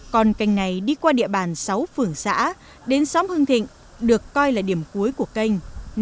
con canh này đi qua địa bàn sáu phường xã đến xóm hưng thịnh được coi là điểm cuối của khu công nghiệp